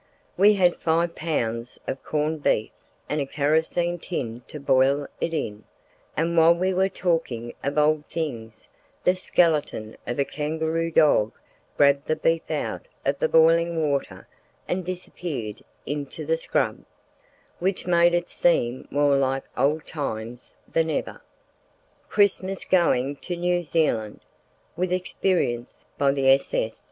We had five pounds of corned beef and a kerosene tin to boil it in; and while we were talking of old things the skeleton of a kangaroo dog grabbed the beef out of the boiling water and disappeared into the scrub—which made it seem more like old times than ever. Christmas going to New Zealand, with experience, by the s.s.